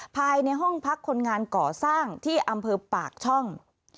ภายในห้องพักคนงานก่อสร้างที่อำเภอปากช่อง